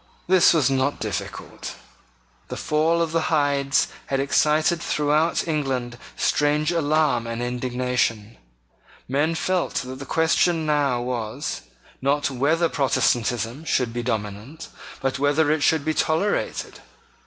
This was not difficult. The fall of the Hydes had excited throughout England strange alarm and indignation: Men felt that the question now was, not whether Protestantism should be dominant, but whether it should be tolerated.